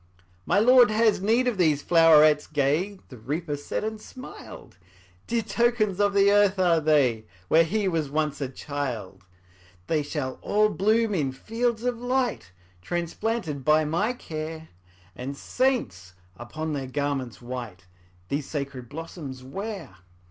``My Lord has need of these flowerets gay,'' The Reaper said, and smiled; ``Dear tokens of the earth are they, Where he was once a child. ``They shall all bloom in fields of light, Transplanted by my care, And saints, upon their garments white, These sacred blossoms wear.''